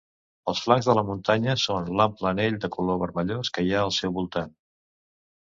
Els flancs de la muntanya són l'ample anell de color vermellós que hi ha al seu voltant.